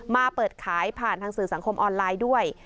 มาเปิดขายผ่านทางสื่อสังคมออนไลน์ด้วย